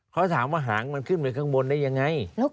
เขาถามว่าหางมันขึ้นไปข้างบนได้ยังไง